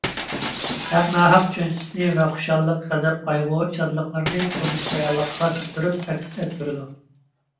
ھەق – ناھەق چۈشەنچىسىنى ۋە خۇشاللىق، غەزەپ، قايغۇ، شادلىقلىرىنى تۇرمۇش رېئاللىقىغا سىڭدۈرۈپ ئەكس ئەتتۈرىدۇ.